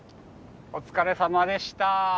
お疲れさまでした！